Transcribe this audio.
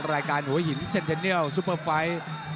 รายการหัวหินเซ็นเทเนียลซุปเปอร์ไฟ